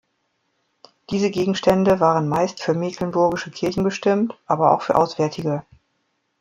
Diese Gegenstände waren meist für mecklenburgische Kirchen bestimmt, aber auch für auswärtige.